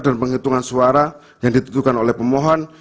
dan penghitungan suara yang dititukan oleh pemohon